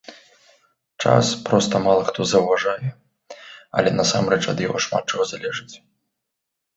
Час проста мала хто заўважае, але насамрэч ад яго шмат чаго залежыць.